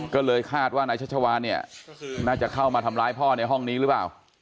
ก็เลยคาดว่านายชัชวานเนี่ยน่าจะเข้ามาทำร้ายพ่อในห้องนี้หรือเปล่า